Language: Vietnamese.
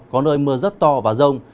có nơi mưa rất to và rông